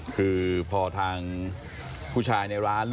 คือพอทางผู้ชายในร้าน